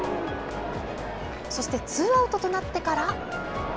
そして、ツーアウトとなってから。